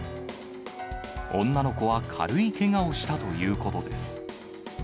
女の子は軽いけがをしたということです。